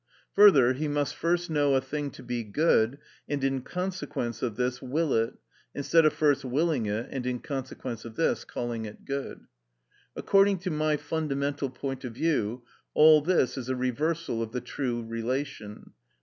Further, he must first know a thing to be good, and in consequence of this will it, instead of first willing it, and in consequence of this calling it good. According to my fundamental point of view, all this is a reversal of the true relation.